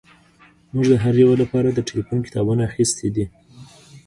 موږ د هر یو لپاره د ټیلیفون کتابونه اخیستي دي